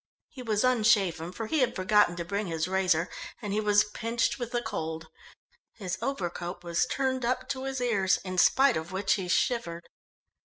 He was unshaven for he had forgotten to bring his razor and he was pinched with the cold. His overcoat was turned up to his ears, in spite of which he shivered.